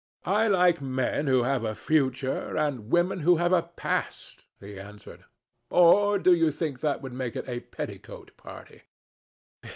"I like men who have a future and women who have a past," he answered. "Or do you think that would make it a petticoat party?"